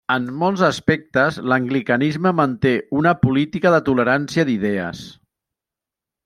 En molts aspectes l'anglicanisme manté una política de tolerància d'idees.